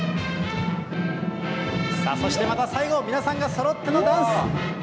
そしてまた最後、皆さんがそろってのダンス。